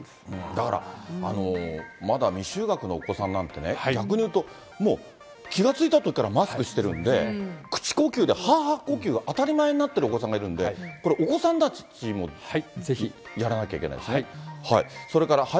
だから、まだ未就学のお子さんなんてね、逆に言うともう気が付いたときからマスクしてるんで、口呼吸ではぁはぁ呼吸が当たり前になってるお子さんがいるんで、これ、お子さんたちも。やらなきゃいけないですね。